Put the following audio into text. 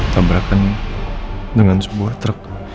tabrakannya dengan sebuah truk